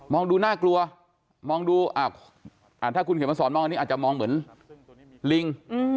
ดูน่ากลัวมองดูถ้าคุณเขียนมาสอนมองอันนี้อาจจะมองเหมือนลิง